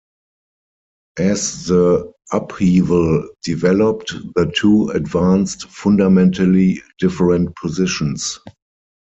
As the upheaval developed, the two advanced fundamentally different positions.